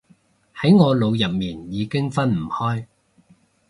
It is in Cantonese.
喺我腦入面已經分唔開